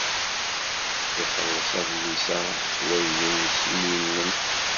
Ixelleṣ adlis-a s wagim n yiyenen.